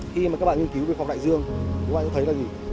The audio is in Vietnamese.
khi mà các bạn nghiên cứu về phòng đại dương các bạn cũng thấy là gì